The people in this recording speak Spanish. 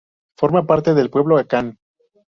Forma parte del pueblo akan.